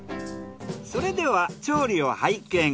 それでは調理を拝見。